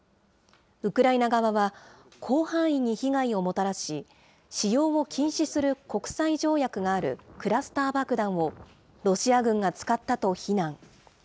ウクライナ側は広範囲に被害をもたらし、使用を禁止する国際条約があるクラスター爆弾をロシア軍が使ったと非難。